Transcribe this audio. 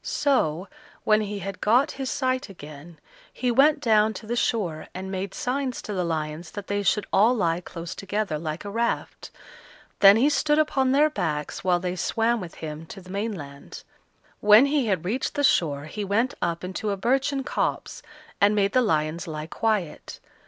So, when he had got his sight again, he went down to the shore and made signs to the lions that they should all lie close together like a raft; then he stood upon their backs while they swam with him to the mainland. When he had reached the shore he went up into a birchen copse, and made the lions lie quiet.